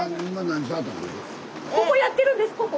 ここやってるんですここ。